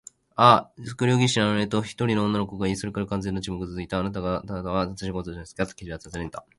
「ああ、測量技師なのね」と、一人の女の声がいい、それから完全な沈黙がつづいた。「あなたがたは私をご存じなんですね？」と、Ｋ はたずねた。